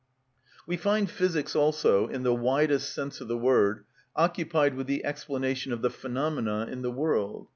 We find physics also (in the widest sense of the word) occupied with the explanation of the phenomena in the world.